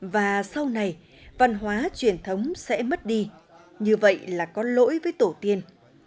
và sau này văn hóa truyền thống sẽ mất đi như vậy là có lỗi với tổ tiên